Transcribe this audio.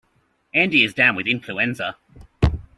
Andy is down with influenza.